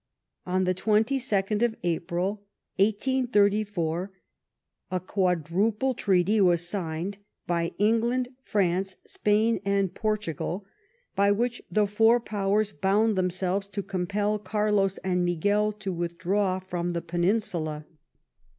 On the 22nd of April 1834, a Quadruple Treaty was signed by England, France, Spain, and Portugal, by which the four Powers bound themselves to compel Carlos and Miguel to withdraw from the Peninsula.